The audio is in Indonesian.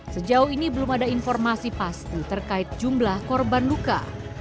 sejauh ini belum ada informasi pasti terkait jumlah korban luka